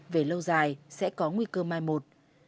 về lâu dài sẽ có nguy cơ mai một